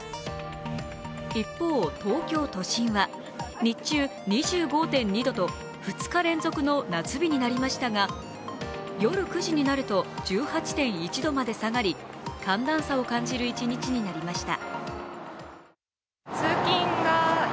一方、東京都心は日中、２５．２度と２日連続の夏日になりましたが、夜９時になると１８．１度まで下がり寒暖差を感じる一日になりました。